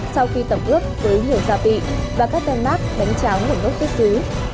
sau khi tổng ước với nhiều gia vị và các tên mát đánh cháo nguồn gốc tiết xứ